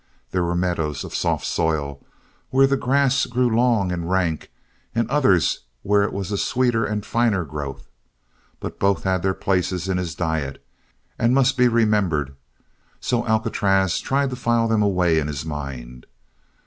There were meadows of soft soil where the grass grew long and rank and others where it was a sweeter and finer growth; but both had their places in his diet and must be remembered so Alcatraz tried to file them away in his mind.